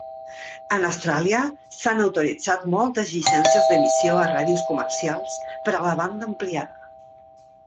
En Austràlia, s'han autoritzat moltes llicències d'emissió a ràdios comercials per a la banda ampliada.